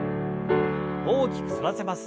大きく反らせます。